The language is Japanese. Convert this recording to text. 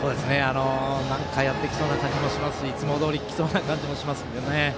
何かやってきそうな感じもしますしいつもどおりきそうな感じもしますね。